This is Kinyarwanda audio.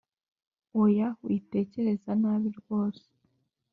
oya witekereza nabi rwose